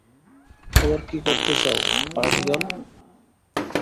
এবার কী করতে চাও, পার্টি গার্ল?